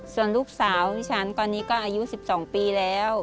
ส่วนลูกสาวที่ฉันตอนนี้ก็อายุ๑๒ปีแล้ว